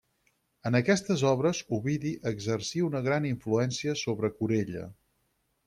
En aquestes obres Ovidi exercí una gran influència sobre Corella.